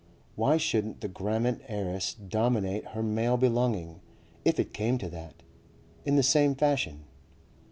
Why shouldn't the Grammont heiress dominate her male belonging, if it came to that, in the same fashion?